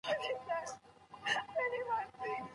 د ابن خلدون لوی اثر څه نومیږي؟